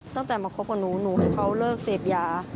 ตั้งแต่มาคบกับหนูหนูให้เขาเลิกเสพยา